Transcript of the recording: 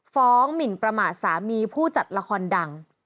หมินประมาทสามีผู้จัดละครดัง